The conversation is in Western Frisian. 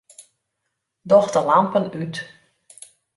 Doch de lampen út.